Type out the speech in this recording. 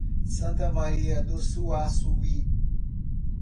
Santa Maria do Suaçuí